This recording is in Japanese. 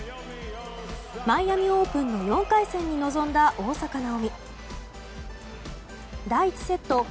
マイアミ・オープンの４回戦に臨んだ大坂なおみ、第１セット